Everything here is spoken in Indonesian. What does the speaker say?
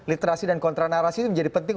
literasi dan kontranarasi itu menjadi penting